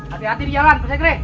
hati hati di jalan pak sekre